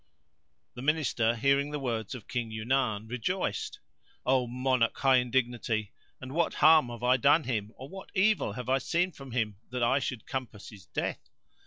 The Minister, hearing the words of King Yunan, rejoined, 'O Monarch, high in dignity, and what harm have I done him, or what evil have I seen from him that I should compass his death?